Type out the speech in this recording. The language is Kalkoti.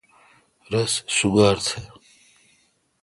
رس سوگار تھ۔